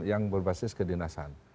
yang berbasis kedinasan